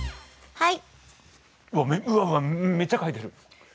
はい。